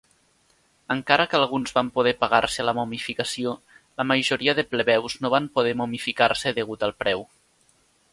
Encara que alguns van poder pagar-se la momificació, la majoria de plebeus no van poder momificar-se degut al preu.